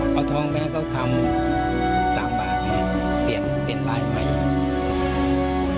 พอทองแม่เขาทำ๓บาทเปลี่ยนรายใหม่